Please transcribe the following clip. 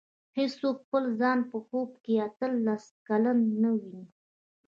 هېڅوک خپل ځان په خوب کې اته لس کلن نه ویني.